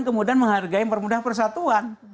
kemudian menghargai permudah persatuan